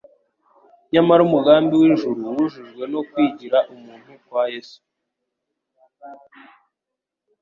Nyamara umugambi w'ijuru wujujwe no kwigira umuntu kwa Yesu.